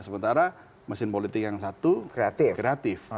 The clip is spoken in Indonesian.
sementara mesin politik yang satu kreatif